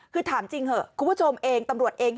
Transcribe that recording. คือถามจริงเถอะคุณผู้ชมเองตำรวจเอง